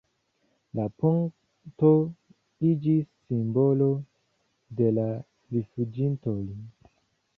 La ponto iĝis simbolo de la rifuĝintoj.